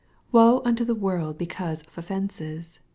7 Woe unto the world because of offences!